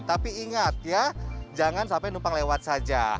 tapi ingat ya jangan sampai numpang lewat saja